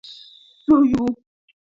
suhuyubu.